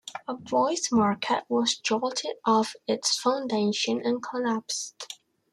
A Boys Market was jolted off its fouindation and collapsed.